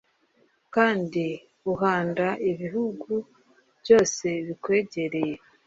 Kandi uhanda ibihugu byose bikwegereye